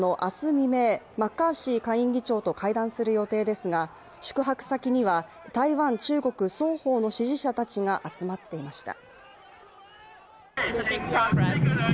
未明マッカーシー下院議長と会談する予定ですが、宿泊先には、台湾・中国双方の支持者たちが集まっていました。